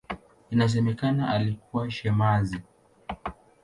Inasemekana alikuwa shemasi.